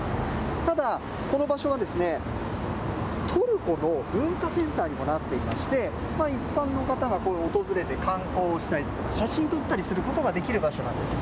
ただ、この場所は、トルコの文化センターにもなっていまして、一般の方が訪れて観光をしたりとか、写真撮ったりすることができる場所なんです。